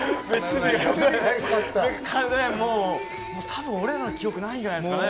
多分、俺らの記憶ないじゃないですかね？